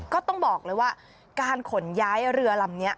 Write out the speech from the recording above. ก็ต้องบอกเลยว่าการขนย้ายเรือลำนี้